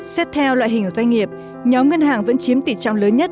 xét theo loại hình doanh nghiệp nhóm ngân hàng vẫn chiếm tỷ trọng lớn nhất